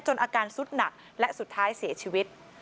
อาการสุดหนักและสุดท้ายเสียชีวิต